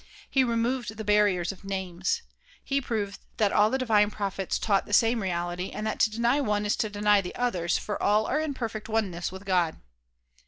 He removed the barriers of "Names." He proved that all the divine prophets taught the same reality and that to deny one is to deny the others, for all are in perfect oneness with God.